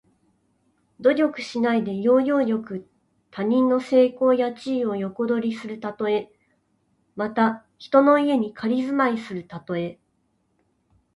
努力しないで、要領よく他人の成功や地位を横取りするたとえ。また、人の家に仮住まいするたとえ。